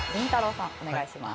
さんお願いします。